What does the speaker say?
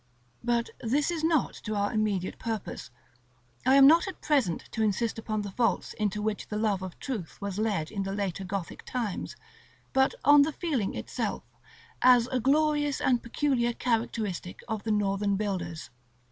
But this is not to our immediate purpose; I am not at present to insist upon the faults into which the love of truth was led in the later Gothic times, but on the feeling itself, as a glorious and peculiar characteristic of the Northern builders.